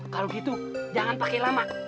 kalau gitu jangan pakai lama